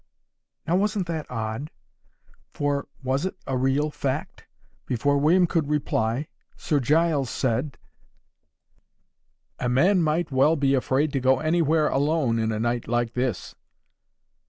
Now, wasn't that odd, for it was a real fact? Before William could reply, Sir Giles said, "A man might well be afraid to go anywhere alone in a night like this."